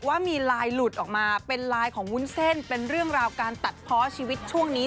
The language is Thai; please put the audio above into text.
ว่ามีไลน์หลุดออกมาเป็นไลน์ของวุ้นเส้นเป็นเรื่องราวการตัดเพาะชีวิตช่วงนี้